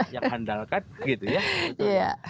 yang handalkan gitu ya